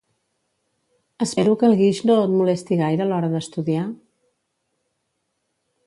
Espero que el guix no et molesti gaire a l'hora d'estudiar?